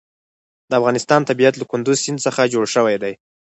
د افغانستان طبیعت له کندز سیند څخه جوړ شوی دی.